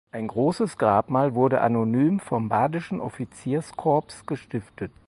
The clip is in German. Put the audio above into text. Ein großes Grabmal wurde anonym vom badischen Offizierskorps gestiftet.